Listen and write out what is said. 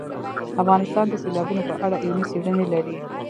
افغانستان د سیلابونه په اړه علمي څېړنې لري.